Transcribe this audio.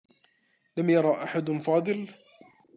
لم يرى أحد فاضل.